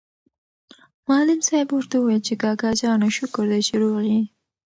معلم صاحب ورته وویل چې کاکا جانه شکر دی چې روغ یې.